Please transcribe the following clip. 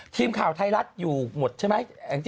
ทีมข่าวไทยรัฐอยู่หมดใช่ไหม